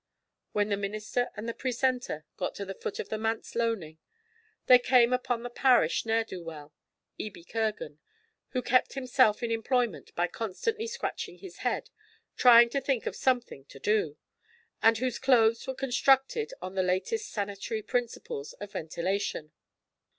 When the minister and the precentor got to the foot of the manse loaning, they came upon the parish ne'er do weel, Ebie Kirgan, who kept himself in employment by constantly scratching his head, trying to think of something to do, and whose clothes were constructed on the latest sanitary principles of ventilation.